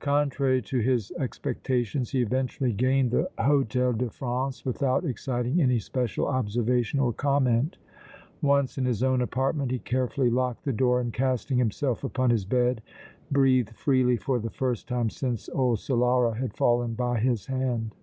Contrary to his expectations he eventually gained the Hôtel de France without exciting any special observation or comment. Once in his own apartment he carefully locked the door and, casting himself upon his bed, breathed freely for the first time since old Solara had fallen by his hand.